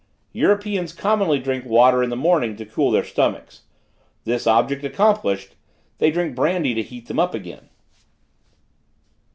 "Europeans commonly drink water in the morning to cool their stomachs; this object accomplished, they drink brandy to heat them again.